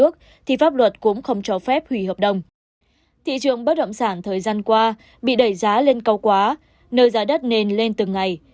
thị trường bất động sản thời gian qua bị đẩy giá lên câu quá nơi giá đất nền lên từng ngày